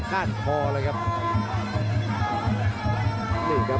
พยายามจะไถ่หน้านี่ครับการต้องเตือนเลยครับ